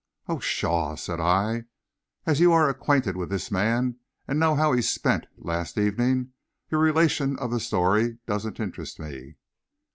"Oh, pshaw!" said I, "as you are acquainted with this man, and know how he spent last evening, your relation of the story doesn't interest me."